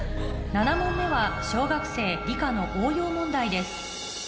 ７問目は小学生理科の応用問題です